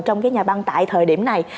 trong cái nhà băng tại thời điểm này